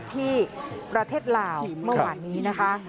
ที่ประเทศลาวเมื่อวานนี้นะคะ